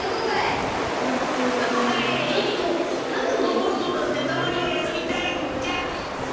ロボットだってたまにはやすみたいんじゃ！